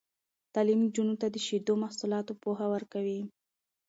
تعلیم نجونو ته د شیدو محصولاتو پوهه ورکوي.